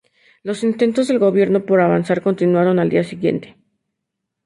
Los intentos del gobierno por avanzar continuaron al día siguiente.